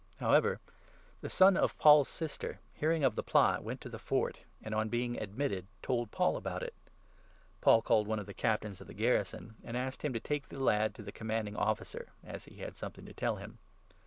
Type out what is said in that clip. However, the son of Paul's sister, hearing of the plot, went to 16 the Fort, and on being admitted, told Paul about it. Paul i? called one of the Captains of the garrison and asked him to take the lad to the Commanding Officer, as he had something to tell him.